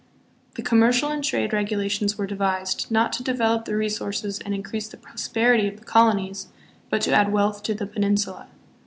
The commercial and trade regulations were devised, not to develop the resources and increase the prosperity of the colonies, but to add wealth to the Peninsula.